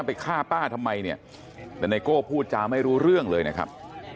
ไปฆ่าป้าทำไมเนี่ยแต่ไนโก้พูดจาไม่รู้เรื่องเลยนะครับ